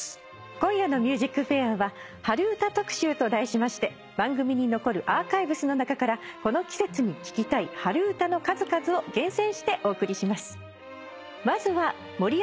今夜の『ＭＵＳＩＣＦＡＩＲ』は春うた特集と題しまして番組に残るアーカイブスの中からこの季節に聴きたい春うたの数々を厳選してお送りします。